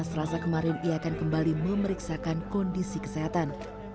selasa kemarin ia akan kembali memeriksakan kondisi kesehatan